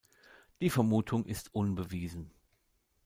Die Vermutung ist unbewiesen.